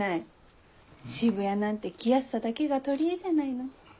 渋谷なんて気安さだけが取り柄じゃないの。